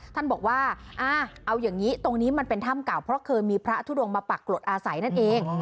ท่านบอกว่าเอาอย่างนี้ตรงนี้มันเป็นถ้ำเก่าเพราะเคยมีพระทุดงมาปรากฏอาศัยนั่นเอง